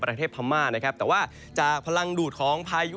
ประเทศพามารแต่ว่าจากพลังดูดของพายุ